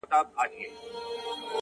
ځه خير دی تر سهاره به ه گوزاره وي-